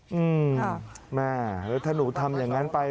ตรงนั้นแม่แล้วถ้าหนูทำอย่างนั้นไป